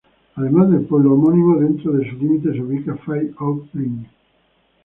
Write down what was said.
Además del pueblo homónimo, dentro de su límite se ubica Five Oak Green.